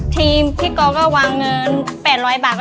น้องเด็กก็ช้ามง่วง